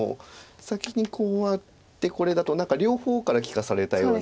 先にこうあってこれだと何か両方から利かされたような。